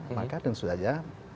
maka dan sudah saja